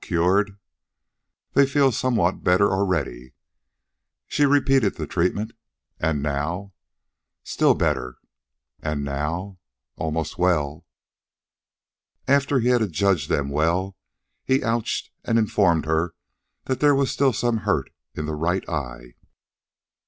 Cured?" "They feel some better already." She repeated the treatment. "And now?" "Still better." "And now?" "Almost well." After he had adjudged them well, he ouched and informed her that there was still some hurt in the right eye.